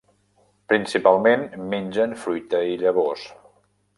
Principalment mengen fruita i llavors.